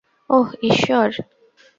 ওহ, ইশ্বর!